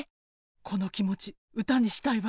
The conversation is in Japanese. この気持ち歌にしたいわ。